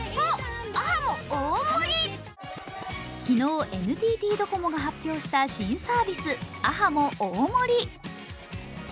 昨日、ＮＴＴドコモが発表した新サービスａｈａｍｏ大盛り。